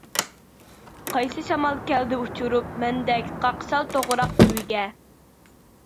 -قايسى شامال كەلدى ئۇچۇرۇپ مەندەك قاقشال توغراق تۈۋىگە.